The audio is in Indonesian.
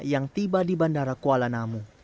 yang tiba di bandara kuala namu